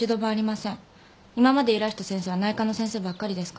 今までいらした先生は内科の先生ばっかりですから。